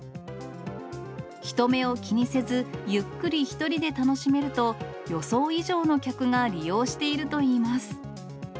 人目を気にせず、ゆっくり１人で楽しめると、予想以上の客が利用しているといいます。